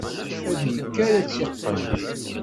Ad yekker ad tt-yeqqen.